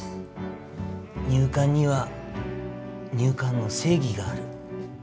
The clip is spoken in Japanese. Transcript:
入管には入管の正義がある。